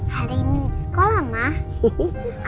hari ini sekolah mah